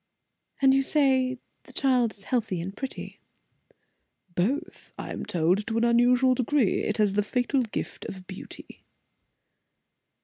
"And you say the child is healthy and pretty?" "Both, I am told, to an unusual degree. It has the fatal gift of beauty."